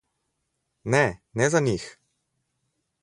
Ne, ne za njih.